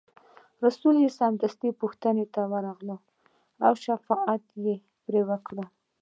رسول یې سمدستي پوښتنې ته ورغی او شفقت یې پرې وکړ.